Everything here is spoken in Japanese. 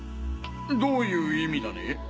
どういう意味だね？